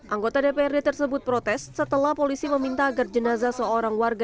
anggota dprd tersebut protes setelah polisi meminta agar jenazah seorang warga